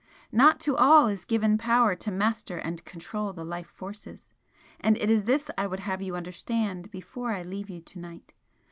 Not to all is given power to master and control the life forces and it is this I would have you understand before I leave you to night.